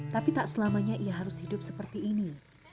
tapi tak selamanya ia harus hidup seperti ini